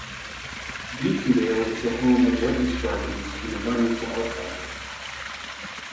Vintondale is the home of Litmus Gardens, an environmental art project.